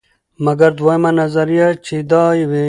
مګر دویمه نظریه، چې وایي: